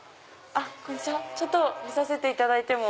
ちょっと見させていただいても。